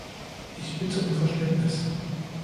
Ich bitte um Verständnis.